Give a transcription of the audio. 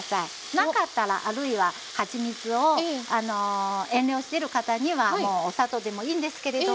なかったらあるいははちみつを遠慮してる方にはお砂糖でもいいんですけれども。